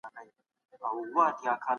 قصاص د ټولني بقا ده.